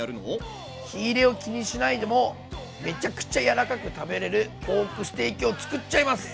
火入れを気にしないでもめちゃくちゃ柔らかく食べれるポークステーキをつくっちゃいます！